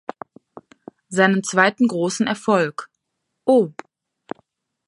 Seinen zweiten großen Erfolg "Oh!